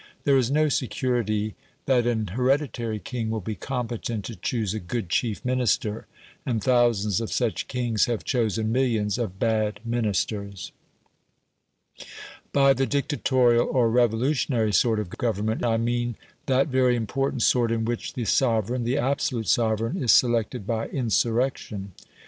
There is no security that an hereditary king will be competent to choose a good chief Minister, and thousands of such kings have chosen millions of bad Ministers. By the Dictatorial, or Revolutionary, sort of government, I mean that very important sort in which the sovereign the absolute sovereign is selected by insurrection.